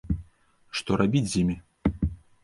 Што рабіць з імі?